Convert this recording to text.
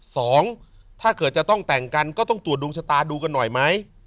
สองถ้าเกิดจะต้องแต่งกันก็ต้องตรวจดวงชะตาดูกันหน่อยไหม